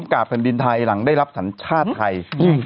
กรรมกราบกันดินไทยหลังได้รับสัญชาติไทย